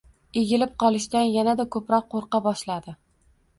Egilib qolishdan yanada ko‘proq qo‘rqa boshladi.